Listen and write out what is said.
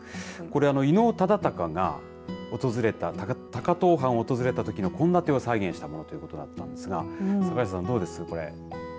伊能忠敬が高遠藩を訪れたときの献立を再現したものということだったんですがどうです、これ。